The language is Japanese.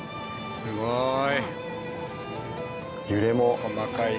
すごーい。